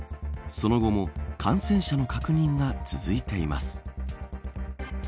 その後も感染者の確認が続いています。